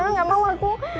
nggak mau aku